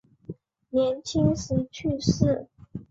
年轻时去世。